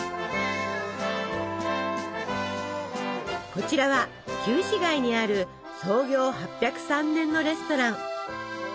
こちらは旧市街にある創業８０３年のレストラン。